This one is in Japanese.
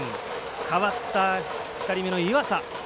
代わった２人目の岩佐。